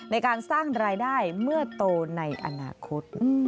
ในการสร้างรายได้เมื่อโตในอนาคต